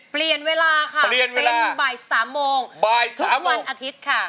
เปลี่ยนเวลาค่ะเป็นบ่าย๓โมงทุกวันอาทิตย์ค่ะ